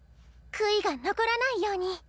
悔いが残らないように。